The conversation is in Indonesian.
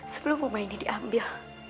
sebelum rumah ini diambil